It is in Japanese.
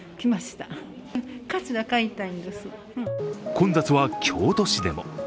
混雑は京都市でも。